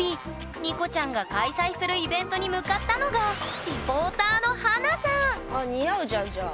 ＮＩＣＯちゃんが開催するイベントに向かったのがあ似合うじゃんじゃあ。